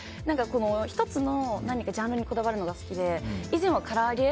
１つのジャンルにこだわるのが好きで以前は、から揚げ。